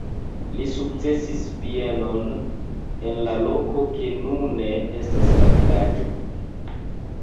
Li sukcesis bienon en la loko ke nune estas la vilaĝo.